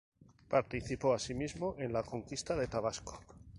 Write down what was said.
Participó asimismo en la conquista de Tabasco.